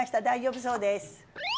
大丈夫そうです。